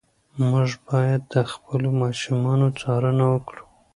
موږ باید د خپلو ماشومانو څارنه وکړو.